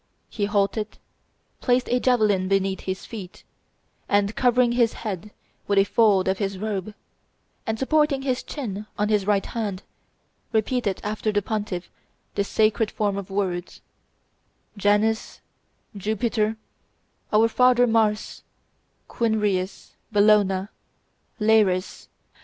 He halted, placed a javelin beneath his feet, and covering his head with a fold of his robe, and supporting his chin on his right hand, repeated after the pontiff this sacred form of words: "Janus, Jupiter, our father Mars, Quirinus, Bellona, Lares